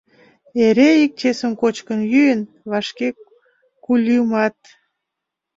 Эре ик чесым кочкын-йӱын, вашке кульымат.